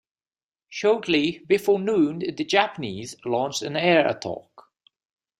Shortly before noon the Japanese launched an air attack.